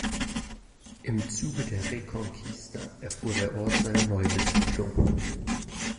Im Zuge der Reconquista erfuhr der Ort seine Neubesiedlung.